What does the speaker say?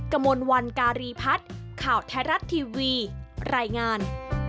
กมลวันการีพัฒน์ข่าวแทรศทีวีรายงาน